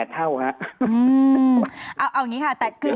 ๗๘เท่าค่ะเอางี้ค่ะ